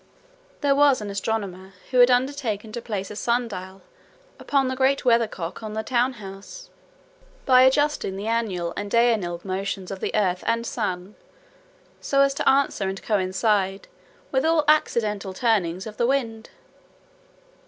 There was an astronomer, who had undertaken to place a sun dial upon the great weathercock on the town house, by adjusting the annual and diurnal motions of the earth and sun, so as to answer and coincide with all accidental turnings of the wind.